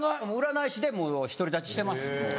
占い師でもう独り立ちしてます。